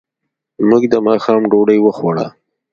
موږ د ماښام ډوډۍ وخوړه.